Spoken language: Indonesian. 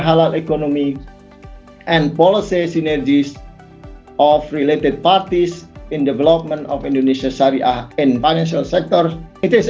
dari bagian bagian partai yang berkaitan dengan pengembangan syariah di sektor finansial indonesia